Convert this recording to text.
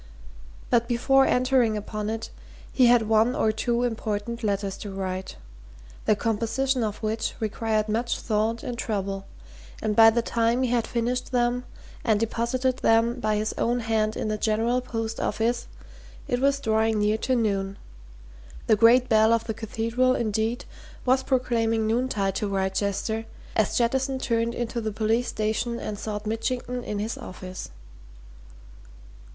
But before entering upon it he had one or two important letters to write, the composition of which required much thought and trouble, and by the time he had finished them, and deposited them by his own hand in the General Post Office, it was drawing near to noon the great bell of the Cathedral, indeed, was proclaiming noontide to Wrychester as Jettison turned into the police station and sought Mitchington in his office.